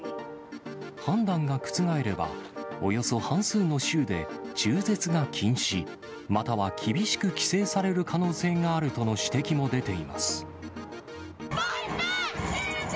判断が覆れば、およそ半数の州で、中絶が禁止、または厳しく規制される可能性があるとの指摘も出ています。